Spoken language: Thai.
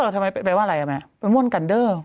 ทำไมมันเป็นแปลว่าอะไรอะแม่ไปมวลกันเดอ